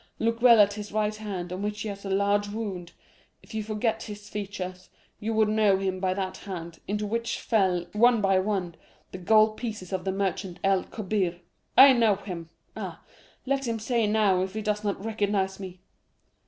Look well at his right hand, on which he has a large wound; if you forgot his features, you would know him by that hand, into which fell, one by one, the gold pieces of the merchant El Kobbir!" I know him! Ah, let him say now if he does not recognize me!